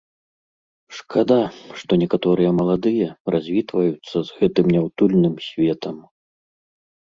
Шкада, што некаторыя маладыя развітваюцца з гэтым няўтульным светам.